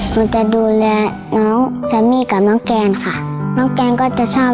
หนุ่นดอกผ่านไปแล้วนะครับ